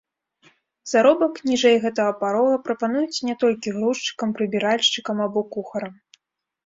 Заробак ніжэй гэтага парога прапануюць не толькі грузчыкам, прыбіральшчыкам або кухарам.